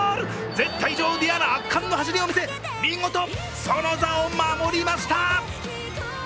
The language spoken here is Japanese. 絶対女王、ディアーナ圧巻の走りを見せ、見事、その座を守りました！